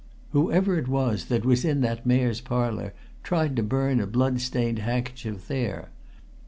Whoever it was that was in that Mayor's Parlour tried to burn a blood stained handkerchief there.